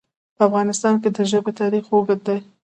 په افغانستان کې د ژبې تاریخ اوږد دی.